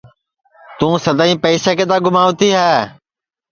توں سدائیں پئسے کِدؔا گُماتی ہے